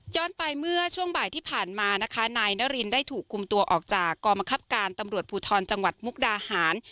ไปเมื่อช่วงบ่ายที่ผ่านมานะคะนายนารินได้ถูกคุมตัวออกจากกรมคับการตำรวจภูทรจังหวัดมุกดาหาร